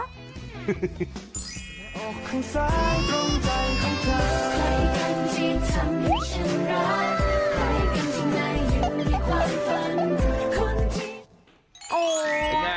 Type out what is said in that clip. เป็นแง่